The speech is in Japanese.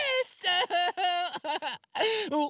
おっ！